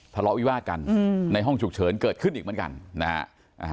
ทะเลาะวิวาสกันในห้องฉุกเฉินเกิดขึ้นอีกเหมือนกันนะฮะ